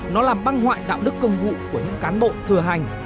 nó làm băng hoại đạo đức công vụ của những cán bộ thừa hành